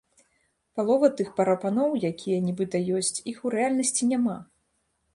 Палова тых прапановаў, якія нібыта ёсць, іх у рэальнасці няма.